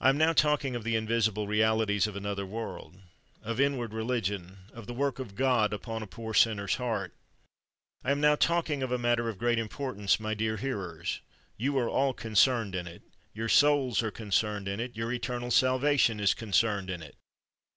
I am now talking of the invisible realities of another world, of inward religion, of the work of God upon a poor sinner's heart. I am now talk ing of a matter of great importance, my dear hearers ; you are all concerned in it, your souls are concerned in it, your eternal salvation is con cerned in it.